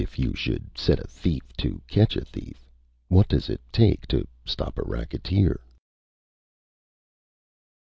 ] _If you should set a thief to catch a thief, what does it take to stop a racketeer...?